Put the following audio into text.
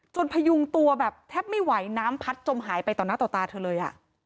พยุงตัวแบบแทบไม่ไหวน้ำพัดจมหายไปต่อหน้าต่อตาเธอเลย